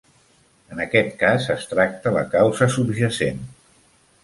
En aquest cas es tracta la causa subjacent.